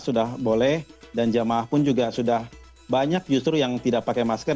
sudah boleh dan jamaah pun juga sudah banyak justru yang tidak pakai masker